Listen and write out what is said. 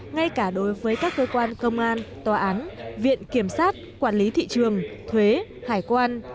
ngay cả đối với các cơ quan công an tòa án viện kiểm sát quản lý thị trường thuế hải quan